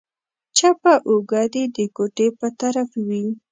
چپه اوږه دې د کوټې په طرف وي.